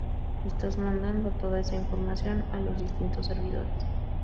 estás mandando toda esa información a los distintos servidores